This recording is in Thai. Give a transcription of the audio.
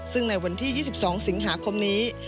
ซึ่งในวันที่๒๒สิงหาคมนี้